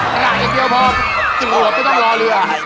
ปลาอย่างเดียวพอจุดหลวงไม่ต้องรอเรือ